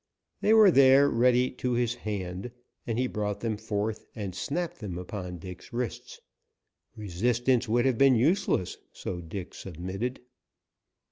They were there ready to his hand, and he brought them forth and snapped them upon Dick's wrists. Resistance would have been useless, so Dick submitted.